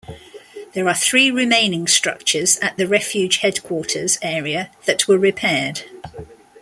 There are three remaining structures at the refuge headquarters area that were repaired.